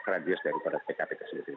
radius dari polda tkp